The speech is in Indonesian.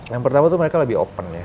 yang pertama tuh mereka lebih open ya